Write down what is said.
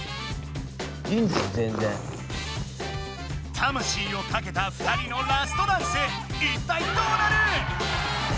たましいをかけた２人のラストダンスいったいどうなる⁉